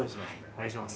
お願いします